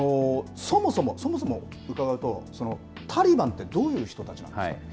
そもそも伺うと、タリバンってどういう人たちなんですか。